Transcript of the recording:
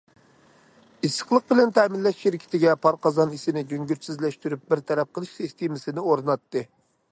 ئىسسىقلىق بىلەن تەمىنلەش شىركىتىگە پار قازان ئىسىنى گۈڭگۈرتسىزلەشتۈرۈپ بىر تەرەپ قىلىش سىستېمىسىنى ئورناتتى.